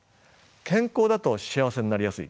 健康だと幸せになりやすい。